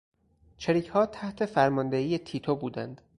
چریکها تحت فرماندهی تیتو بودند.